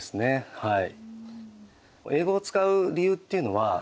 はい。